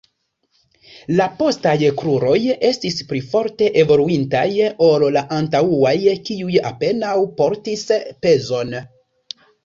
La postaj kruroj estis pli forte evoluintaj ol la antaŭaj, kiuj apenaŭ portis pezon.